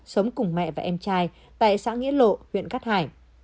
sống cùng mẹ và em trai tại xã nghĩa lộ huyện cát hải